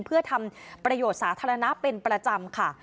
เพื่อทำประโยชน์สาธารณะเป็นประจำค่ะ